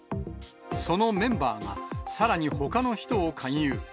そのメンバーが、さらにほかの人を勧誘。